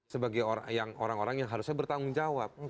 sebagai orang orang yang harusnya bertanggung jawab